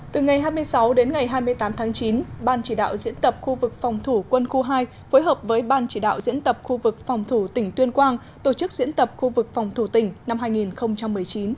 từ ngày hai mươi sáu đến ngày hai mươi tám tháng chín ban chỉ đạo diễn tập khu vực phòng thủ quân khu hai phối hợp với ban chỉ đạo diễn tập khu vực phòng thủ tỉnh tuyên quang tổ chức diễn tập khu vực phòng thủ tỉnh năm hai nghìn một mươi chín